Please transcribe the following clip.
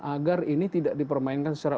agar ini tidak dipermainkan secara